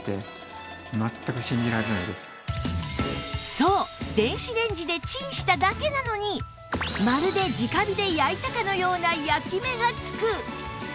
そう電子レンジでチンしただけなのにまるで直火で焼いたかのような焼き目がつく！